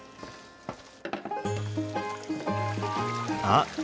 あっ！